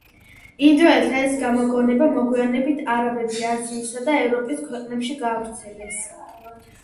ინდოელთა ეს გამოგონება მოგვიანებით არაბები აზიისა და ევროპის ქვეყნებში გაავრცელეს.